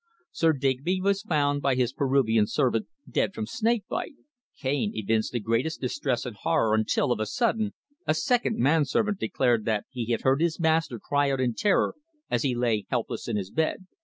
Sir Digby was found by his Peruvian servant dead from snake bite. Cane evinced the greatest distress and horror until, of a sudden, a second man servant declared that he had heard his master cry out in terror as he lay helpless in his bed.